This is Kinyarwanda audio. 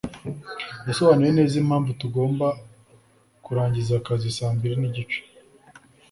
yasobanuye neza impamvu tugomba kurangiza akazi saa mbiri nigice.